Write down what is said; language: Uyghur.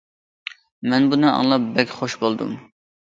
مەن بۇنى ئاڭلاپ بەك خۇش بولدۇم.